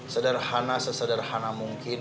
sederhana sesederhana mungkin